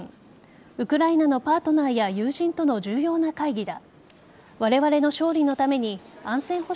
ウクライナのパートナーや友人との重要な会議だ。